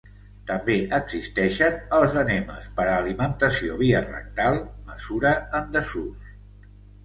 També existeixen els ènemes per a alimentació via rectal, mesura en desús.